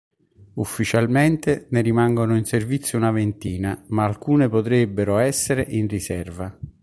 Ufficialmente ne rimangono in servizio una ventina, ma alcune potrebbero essere in riserva.